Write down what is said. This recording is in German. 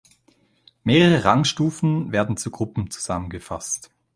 Mehrere Rangstufen werden zu Gruppen zusammengefasst.